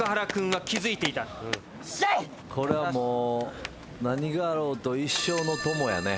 これはもう何があろうと一生の友やね。